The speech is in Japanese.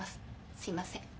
すいません。